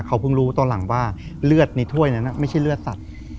เขาเพิ่งรู้ตอนหลังว่าเลือดในถ้วยนั้นไม่ใช่เลือดสัตว์